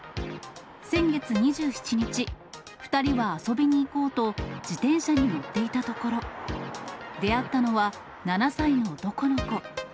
先月２７日、２人は遊びに行こうと、自転車に乗っていたところ、出会ったのは、７歳の男の子。